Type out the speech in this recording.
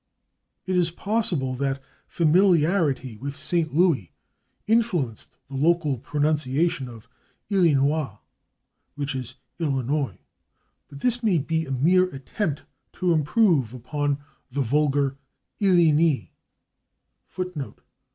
It is possible that familiarity with /St. Louis/ influenced the local pronunciation of /Illinois/, which is /Illinoy/, but this may be a mere attempt to improve upon the vulgar /Illin i